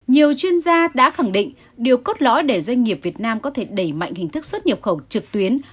nhiều chuyên gia đã khẳng định điều cốt lõi để doanh nghiệp việt nam có thể đẩy mạnh hình thức xuất nhập khẩu trực tuyến